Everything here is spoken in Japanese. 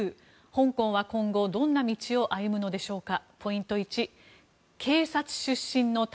香港は今後どんな道を歩むのでしょうか。